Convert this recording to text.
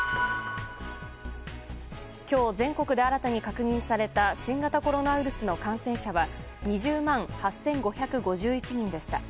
今日、全国で新たに確認された新型コロナウイルスの感染者は２０万８５５１人でした。